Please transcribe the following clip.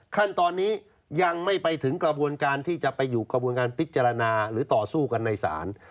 ขั้นตอนนี้ยังไม่ไปถึงกระบวนการที่จะไปอยู่กระบวนการพิจารณาหรือต่อสู้กันในศาล